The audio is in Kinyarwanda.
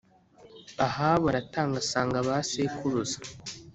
Ahabu aratanga asanga ba sekuruza